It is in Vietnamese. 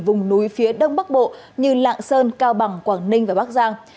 vùng núi phía đông bắc bộ như lạng sơn cao bằng quảng ninh và bắc giang